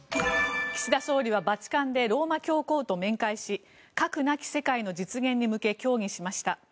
岸田総理はバチカンでローマ教皇と面会し核なき世界の実現に向け協議しました。